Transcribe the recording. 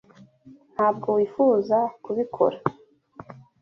Ntabwo wifuza kubikora.